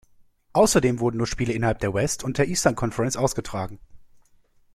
Außerdem wurden nur Spiele innerhalb der West- und der Eastern Conference ausgetragen.